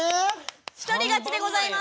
一人勝ちでございます。